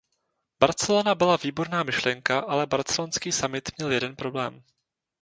Barcelona byla výborná myšlenka, ale barcelonský summit měl jeden problém.